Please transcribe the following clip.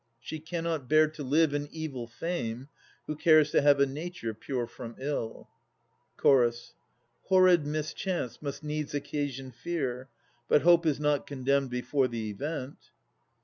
She cannot bear to live in evil fame, Who cares to have a nature pure from ill. CH. Horrid mischance must needs occasion fear. But Hope is not condemned before the event.